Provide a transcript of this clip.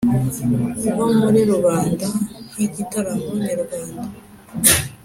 bwo muri rubanda nk’ igitaramo nyarwanda,